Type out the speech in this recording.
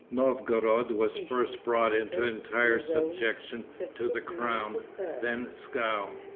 Novgorod was first brought into entire subjection to the crown; then Pskov.